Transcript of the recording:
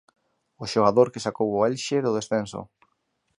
O xogador que sacou o Elxe do descenso.